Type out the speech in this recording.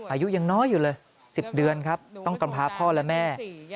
อายุยังน้อยอยู่เลย๑๐เดือนครับต้องกำพาพ่อและแม่